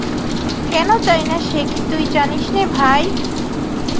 কেন চাই না সে কি তুই জানিস নে, ভাই।